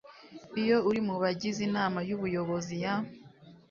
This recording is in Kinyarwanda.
iyo uri mu bagize inama y ubuyobozi ya